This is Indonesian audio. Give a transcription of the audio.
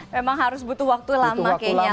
memang harus butuh waktu lama kayaknya